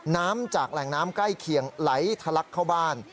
น้ำจากแหล่งน้ำใกล้เคียงไหลทะลักเข้าบ้าน